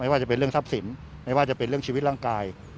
ว่าจะเป็นเรื่องทรัพย์สินไม่ว่าจะเป็นเรื่องชีวิตร่างกาย